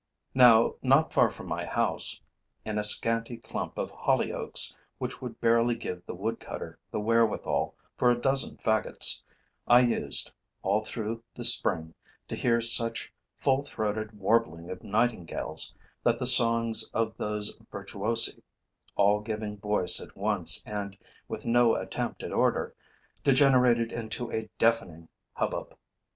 Now, not far from my house, in a scanty clump of holly oaks which would barely give the woodcutter the wherewithal for a dozen faggots, I used, all through the spring, to hear such full throated warbling of nightingales that the songs of those virtuosi, all giving voice at once and with no attempt at order, degenerated into a deafening hubbub.